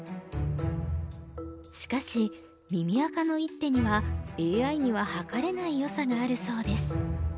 しかし耳赤の一手にはＡＩには測れないよさがあるそうです。